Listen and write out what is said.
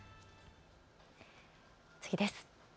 次です。